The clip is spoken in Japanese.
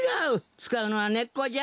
つかうのはねっこじゃ。